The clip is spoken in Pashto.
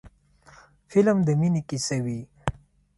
فلم د مینې کیسه وي